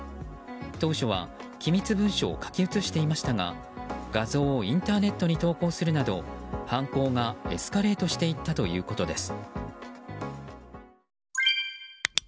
当初は、機密文書を書き写していましたが画像をインターネットに投稿するなど犯行がエスカレートしていったということです。